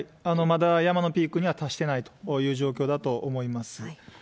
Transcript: まだ山のピークには達してないという状況だと思います。